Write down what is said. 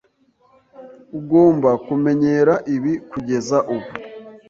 Ugomba kumenyera ibi kugeza ubu.